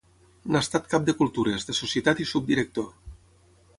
N'ha estat cap de Cultures, de Societat i subdirector.